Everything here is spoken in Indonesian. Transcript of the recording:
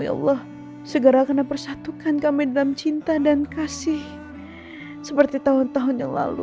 ya allah segera karena persatukan kami dalam cinta dan kasih seperti tahun tahun yang lalu